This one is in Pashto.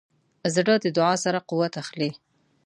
زړه د دعا سره قوت اخلي.